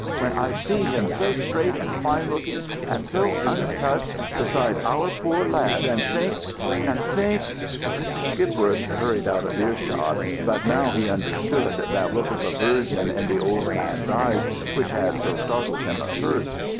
When I see him so straight and fine looking, and so untouched, beside our poor lad, and think and think " Skipworth hurried out of earshot, but now he understood that look of aversion in the old man's eyes which had so startled him at first.